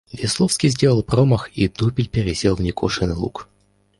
Весловский сделал промах, и дупель пересел в некошенный луг.